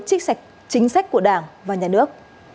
trích sạch chính sách của đảng và nhà nước